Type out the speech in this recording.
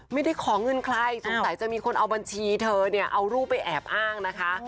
ไม่ได้ขอเงินใครสงสัยจะมีคนเอาบัญชีเธอเนี่ยเอารูปไปแอบอ้างนะคะ